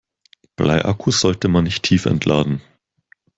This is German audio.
Bleiakkus sollte man nicht tiefentladen.